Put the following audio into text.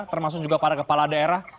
termasuk juga para kepala daerah